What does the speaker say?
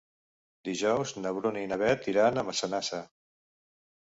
Dijous na Bruna i na Beth iran a Massanassa.